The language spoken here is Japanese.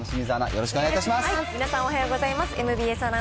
よろしくお願いします。